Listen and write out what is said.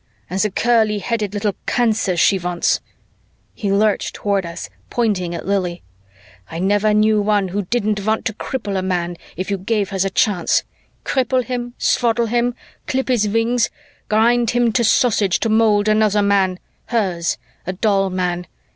and the curly headed little cancers she wants!" He lurched toward us, pointing at Lili. "I never knew one who didn't want to cripple a man if you gave her the chance. Cripple him, swaddle him, clip his wings, grind him to sausage to mold another man, hers, a doll man.